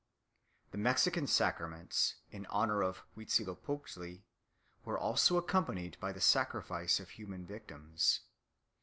The Mexican sacraments in honour of Huitzilopochtli were also accompanied by the sacrifice of human victims.